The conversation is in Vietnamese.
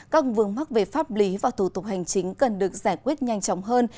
các vương mắc về pháp lý và thủ tục hành chính cần được giải quyết nhanh chóng hơn